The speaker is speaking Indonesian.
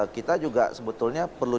kita juga sebetulnya perlu